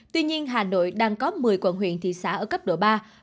tuy nhiên hà nội đang có một mươi quận huyện thị xã ở cấp độ ba